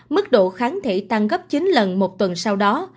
mức độ kháng thể tăng gấp chín lần một tuần sau đó